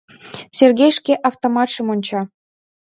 Сергей шке автоматшым онча.